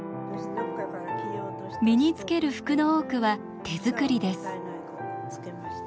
身につける服の多くは手作りです。